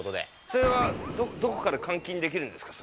それはどこかで換金できるんですか？